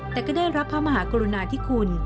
แต่ก็ได้รับพระมหากรุณาธิคุณ